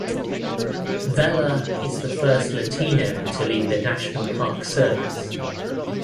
Vela is the first Latino to lead the National Park Service.